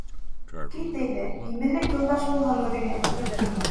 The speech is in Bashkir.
— Кит әйҙә, именлек юлдаш булһын үҙеңә.